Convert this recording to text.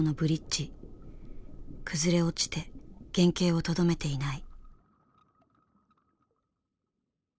崩れ落ちて原形をとどめていない。